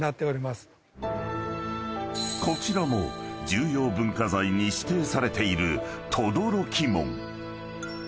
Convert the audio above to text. ［こちらも重要文化財に指定されている］